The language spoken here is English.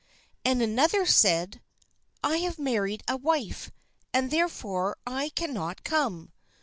And another said :" I have married a wife, and therefore I cannot come."